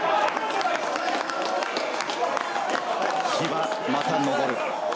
日はまた昇る。